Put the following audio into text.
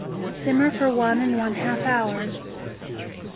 Simmer for one and one half hours.